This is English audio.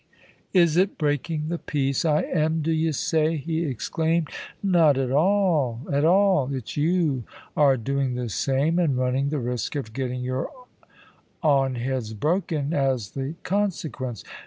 "`Is it breaking the peace I am, do ye say?' he exclaimed. `Not at all at all. It's you are doing the same, and running the risk of getting your on heads broken as the consequence.